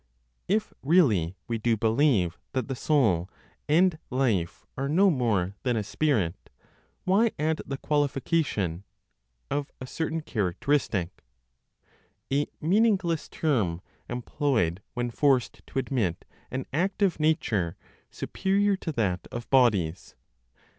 If really we do believe that the soul and life are no more than a spirit, why add the qualification "of a certain characteristic," a meaningless term employed when forced to admit an active nature superior to that of bodies.